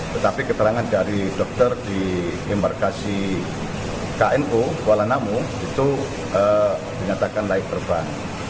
tetapi keterangan dari dokter di embarkasi kno kuala namu itu dinyatakan layak terbang